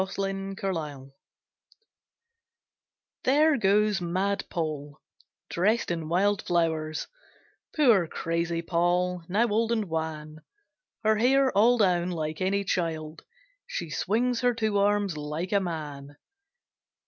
MAD POLL There goes mad Poll, dressed in wild flowers, Poor, crazy Poll, now old and wan; Her hair all down, like any child: She swings her two arms like a man.